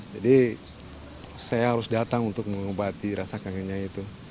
jadi saya harus datang untuk mengobati rasa kangennya itu